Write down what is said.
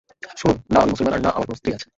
শুনুন, না আমি মুসলমান আর না আমার কোন স্ত্রী আছে।